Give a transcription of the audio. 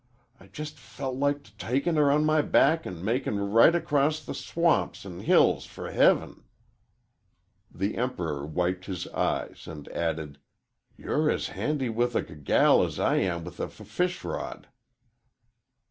I jes' f felt like t takin' her on my b back an' makin' r right across the s swamps an' hills fer heaven." The Emperor wiped his eyes and added: "You're as handy with a g gal as I am with a f fish rod."